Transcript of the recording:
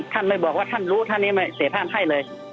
ท่านไม่บอกว่าท่านรู้ท่านนี้เสร็จท่านให้เลย